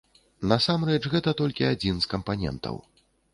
Насамрэч, гэта толькі адзін з кампанентаў.